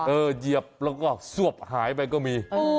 เหยียบแล้วก็ซวบหายไปก็มี